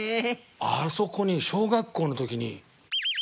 あそこに小学校の時に。